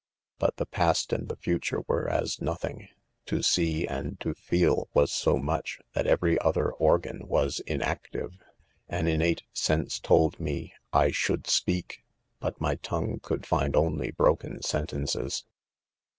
But the past and theWunire. were as nothings to. see, and to feel wassom ueh, that every other or* gan was inactive. An innate sense told me 1 should speak % but my tongue could find only broken sentences.